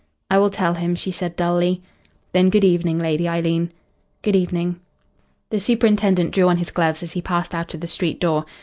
"I will tell him," she said dully. "Then good evening, Lady Eileen." "Good evening." The superintendent drew on his gloves as he passed out of the street door.